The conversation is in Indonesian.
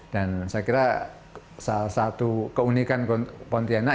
saya kira salah satu keunikan pontianak